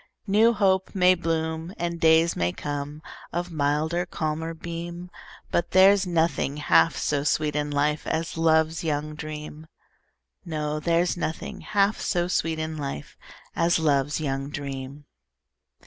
New hope may bloom, And days may come, Of milder, calmer beam, But there's nothing half so sweet in life As love's young dream; No, there's nothing half so sweet in life As love's young dream.